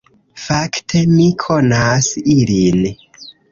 Fakte, mi konas ilin